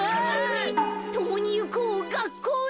ともにいこうがっこうへ！